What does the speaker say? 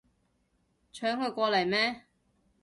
搶佢過嚟咩